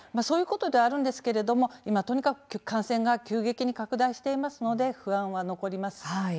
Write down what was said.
そういうことではあるんですが今とにかく感染が急激に拡大しているので不安は残ります。